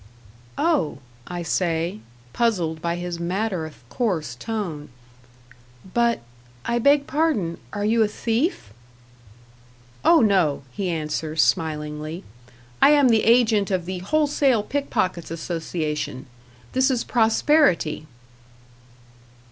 "Oh," I say, puzzled by his matter of course tone. "But I beg pardon are you a thief?" "Oh, no," he answers, smilingly, "I am the agent of the Wholesale Pickpockets' Association. This is Prosperity."